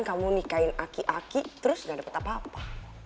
kamu nikahin aki aki terus ga dapet apa apa